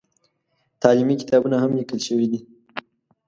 تعلیمي کتابونه هم لیکل شوي دي.